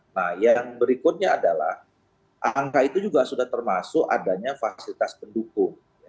nah yang berikutnya adalah angka itu juga sudah termasuk adanya fasilitas pendukung